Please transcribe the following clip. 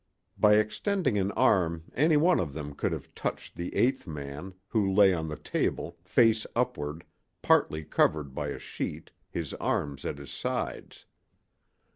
By extending an arm any one of them could have touched the eighth man, who lay on the table, face upward, partly covered by a sheet, his arms at his sides.